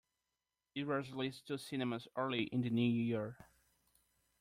It was released to cinemas early in the New Year.